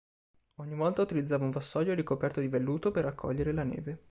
Ogni volta utilizzava un vassoio ricoperto di velluto per raccogliere la neve.